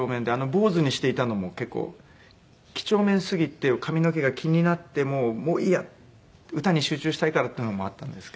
坊主にしていたのも結構几帳面すぎて髪の毛が気になってもういいや歌に集中したいからっていうのもあったんですけど。